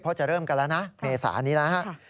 เพราะจะเริ่มกันแล้วนะเมษานี้แล้วฮะ